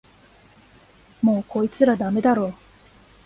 もうこいつらダメだろ